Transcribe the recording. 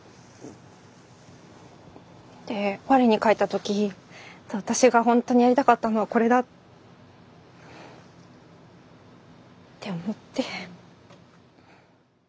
でわれに返った時私が本当にやりたかったのはこれだ。って思って。